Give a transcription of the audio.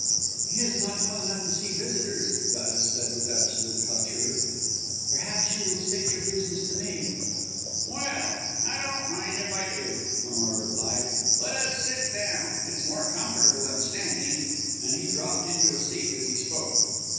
"He is not well enough to see visitors," Gladys said, with absolute hauteur. "Perhaps you will state your business to me." "Well! I don't mind if I do!" Hamar replied. "Let us sit down. It's more comfortable than standing." And he dropped into a seat as he spoke.